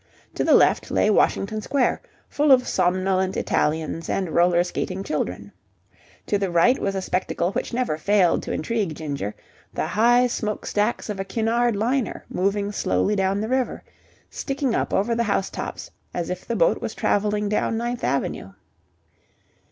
To the left lay Washington Square, full of somnolent Italians and roller skating children; to the right was a spectacle which never failed to intrigue Ginger, the high smoke stacks of a Cunard liner moving slowly down the river, sticking up over the house tops as if the boat was travelling down Ninth Avenue.